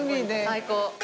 最高。